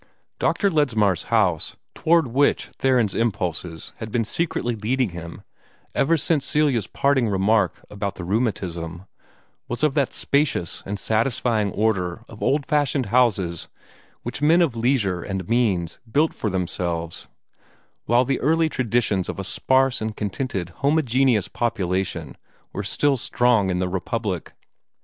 Dr. Ledsmar's house, toward which Theron's impulses had been secretly leading him ever since Celia's parting remark about the rheumatism, was of that spacious and satisfying order of old fashioned houses which men of leisure and means built for themselves while the early traditions of a sparse and contented homogeneous population were still strong in the Republic.